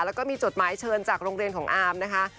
แล้วก็มีจดหมายเชิญจากโรงเรียนของอาร์มนะคะ